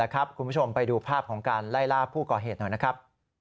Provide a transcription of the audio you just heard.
คุณผู้ชมไปดูภาพของการไล่ล่าผู้ก่อเหตุหน่อยนะครับ